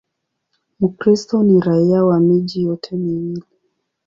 Mkristo ni raia wa miji yote miwili.